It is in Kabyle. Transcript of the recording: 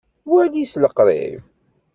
Wali s liqṛib!